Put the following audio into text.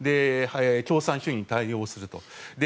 共産主義に対応すると。